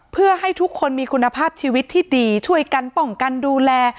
เพื่อให้ทุกคนมีคุณภาพชีวิตที่ดีช่วยกันป้องกันดูแล